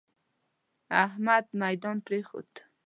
احمد ميدان پرېښود.